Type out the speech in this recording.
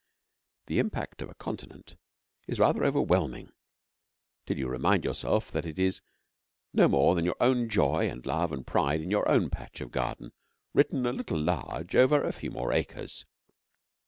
The impact of a Continent is rather overwhelming till you remind yourself that it is no more than your own joy and love and pride in your own patch of garden written a little large over a few more acres.